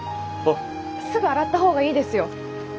すぐ洗った方がいいですよ。